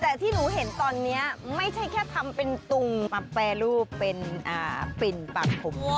แต่ที่หนูเห็นตอนนี้ไม่ใช่แค่ทำเป็นตุงมาแปรรูปเป็นปิ่นปากผม